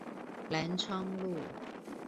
藍昌路